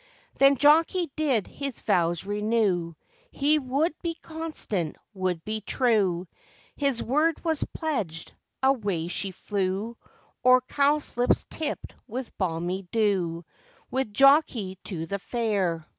Then Jockey did his vows renew; He would be constant, would he true, His word was pledged; away she flew, O'er cowslips tipped with balmy dew, With Jockey to the fair.